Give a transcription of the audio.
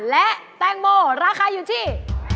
และแตงโมราคาอยู่ที่